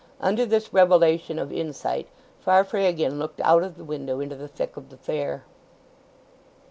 Under this revelation of insight Farfrae again looked out of the window into the thick of the fair.